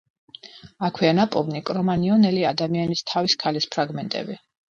აქვეა ნაპოვნი კრომანიონელი ადამიანის თავის ქალის ფრაგმენტები.